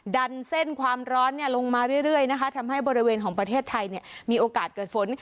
ดันเส้นความร้อนลงมาเรื่อยนะคะทำให้บริเวณของประเทศไทยมีโอกาสเกิดฝน